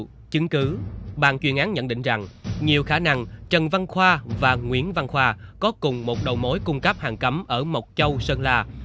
chứng cứ bàn chuyên án nhận định rằng nhiều khả năng trần văn khoa và nguyễn văn khoa có cùng một đầu mối cung cấp hàng cấm ở mộc châu sơn la